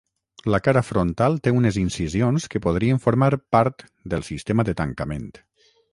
La cara frontal té unes incisions que podrien formar part del sistema de tancament.